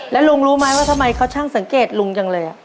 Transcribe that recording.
แล้วลุงรู้ไหมว่าทำไมเขาช่างสังเกตลุงจังเลย